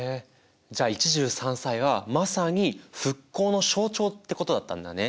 じゃあ一汁三菜はまさに復興の象徴ってことだったんだね。